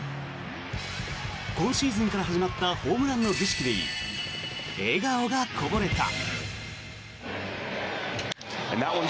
今シーズンから始まったホームランの儀式に笑顔がこぼれた。